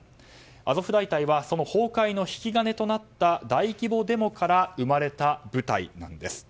アゾフ大隊はその崩壊の引き金となった大規模デモから生まれた部隊なんです。